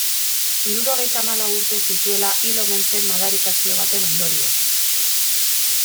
Hirurogeita hamalau urte zituela hil omen zen madarikazio baten ondorioz.